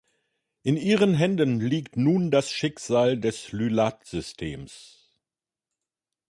In ihren Händen liegt nun das Schicksal des Lylat-Systems.